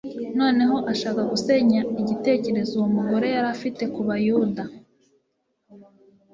Noneho ashaka gusenya igitekerezo uwo mugore yari afite ku Bayuda.